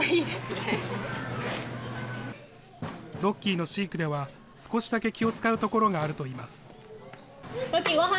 ロッキーの飼育では、少しだけ気を遣うところがあるといいます。